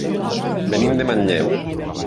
Venim de Manlleu.